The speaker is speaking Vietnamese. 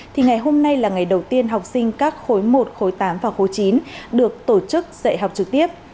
thì ngày hôm nay là ngày đầu tiên học sinh các khối một khối tám và khối chín được tổ chức dạy học trực tiếp